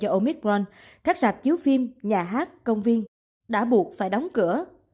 do omicron các rạp chiếu phim nhà hát công viên đã buộc phải đóng cửa